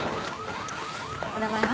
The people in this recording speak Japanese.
お名前は？